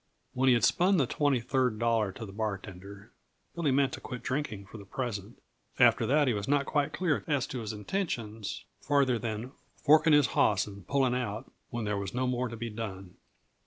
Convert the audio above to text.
When he had spun the twenty third dollar to the bartender, Billy meant to quit drinking for the present; after that, he was not quite clear as to his intentions, farther than "forking his hoss and pulling out" when there was no more to be done.